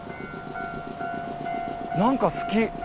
何か好き。